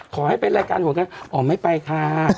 อ๋อขอให้เป็นรายการโครงกระแสอ๋อไม่ไปค่ะ